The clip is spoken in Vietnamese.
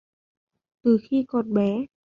Từ khi con bé